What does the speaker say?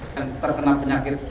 yang terkena penyakit